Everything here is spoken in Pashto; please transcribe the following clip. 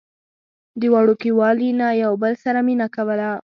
د وړوکوالي نه يو بل سره مينه کوله